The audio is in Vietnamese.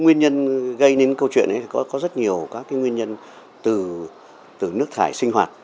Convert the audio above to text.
nguyên nhân gây đến câu chuyện này có rất nhiều các cái nguyên nhân từ nước thải sinh hoạt